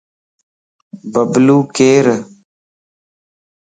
ببلو ڪير؟